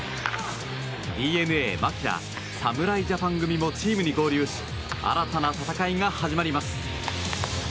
ＤｅＮＡ牧ら侍ジャパン組もチームに合流し新たな戦いが始まります。